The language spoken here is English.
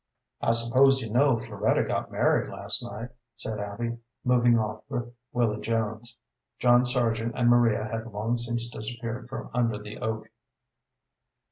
"I suppose you know Floretta got married last night," said Abby, moving off with Willy Jones. John Sargent and Maria had long since disappeared from under the oak.